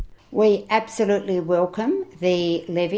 kita benar benar mengucapkan levy